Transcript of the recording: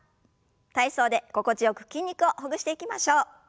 体操で心地よく筋肉をほぐしていきましょう。